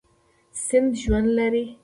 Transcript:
سیند ژوند لري.